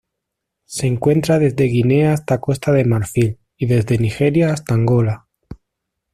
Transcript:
Se encuentra desde Guinea hasta Costa de Marfil y desde Nigeria hasta Angola.